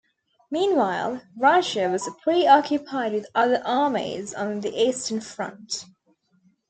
Meanwhile, Russia was preoccupied with other armies on the Eastern Front.